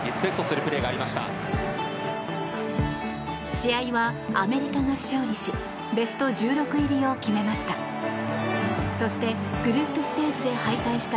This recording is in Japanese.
試合はアメリカが勝利しベスト１６入りを決めました。